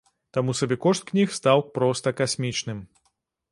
Таму сабекошт кніг стаў проста касмічным.